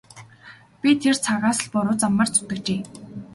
Би тэр цагаас л буруу замаар зүтгэжээ.